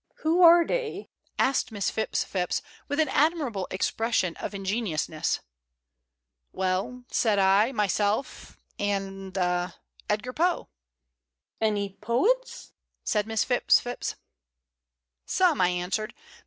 "Who are they?" asked Miss Phipps Phipps, with an admirable expression of ingenuousness. "Well," said I, "myself, and ah Edgar Poe." "Any poets?" said Miss Phipps Phipps. "Some," I answered.